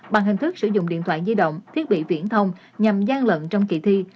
bằng hình thức sử dụng điện thoại di động thiết bị viễn thông nhằm gian lận trong kỳ thi